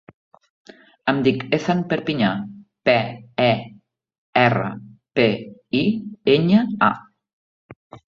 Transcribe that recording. Em dic Ethan Perpiña: pe, e, erra, pe, i, enya, a.